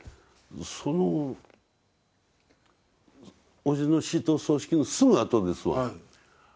そのおじの死と葬式のすぐあとですわ。